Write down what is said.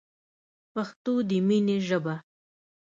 پښتو دی مینی ژبه